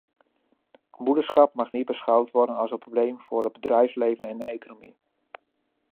Moederschap mag niet beschouwd worden als een probleem voor het bedrijfsleven en de economie.